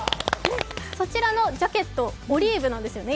そちらのジャケット、オリーブなんですよね